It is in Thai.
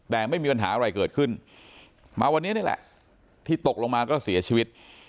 แต่ไม่มีปัญหาอะไรเกิดขึ้นมาวันนี้นี่แหละที่ตกลงมาก็เสียชีวิต